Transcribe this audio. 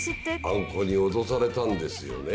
あん子に脅されたんですよね？